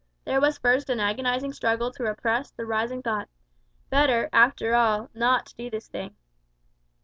There was first an agonizing struggle to repress the rising thought, "Better, after all, not to do this thing."